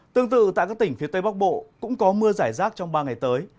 tương tự tại các tỉnh phía tây bắc bộ cũng có mưa giải rác trong ba ngày tới